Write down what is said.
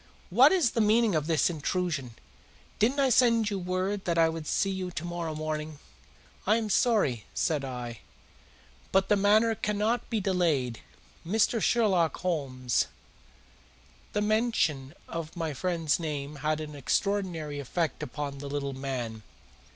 "What is the meaning of this intrusion? Didn't I send you word that I would see you to morrow morning?" "I am sorry," said I, "but the matter cannot be delayed. Mr. Sherlock Holmes " The mention of my friend's name had an extraordinary effect upon the little man.